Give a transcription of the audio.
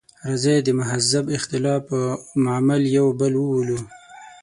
راځئ د مهذب اختلاف په عمل یو بل وولو.